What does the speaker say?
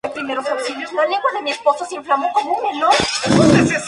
Cursó estudios de Literatura Comparada en la Universidad de Columbia.